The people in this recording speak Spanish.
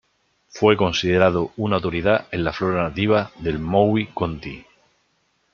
Fue considerado una autoridad en la flora nativa del Maui County.